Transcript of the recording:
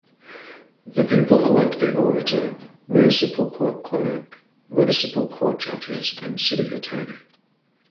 The people elect the auditor, municipal court clerk, municipal court judges and city attorney.